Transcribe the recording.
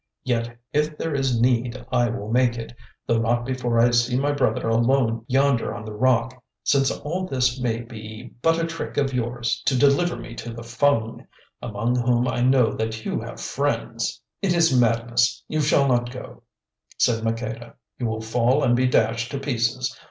Yet if there is need I will make it, though not before I see my brother alone yonder on the rock, since all this may be but a trick of yours to deliver me to the Fung, among whom I know that you have friends." "It is madness; you shall not go," said Maqueda. "You will fall and be dashed to pieces.